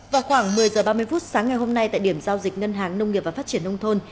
vào khoảng một mươi h ba mươi phút sáng ngày hôm nay tại điểm giao dịch ngân hàng nông nghiệp và phát triển nông thôn